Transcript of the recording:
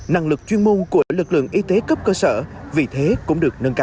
năng lực chuyên môn của lực lượng y tế cấp cơ sở vì thế cũng được nâng cao